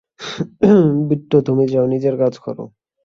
বিট্টো, তুমিও যাও, নিজের কাজ করো।